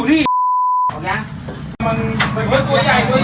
เดี๋ยวกันเดี๋ยวกันไม่เฉยแล้วไม่เฉยแล้ว